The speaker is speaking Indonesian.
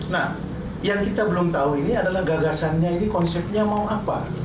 nah yang kita belum tahu ini adalah gagasannya ini konsepnya mau apa